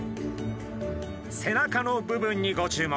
背中の部分にご注目。